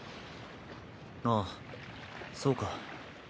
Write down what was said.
ああそうか。